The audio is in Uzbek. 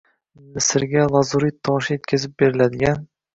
Misrga lazurit toshi yetkazib beriladigan.